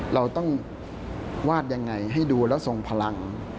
เราต้องวาดยังไงให้ดูแล้วทรงพลัง